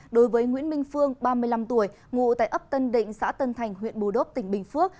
đối với nguyễn minh phương ba mươi năm tuổi ngụ tại ấp tân định xã tân thành huyện bù đốp tỉnh bình phước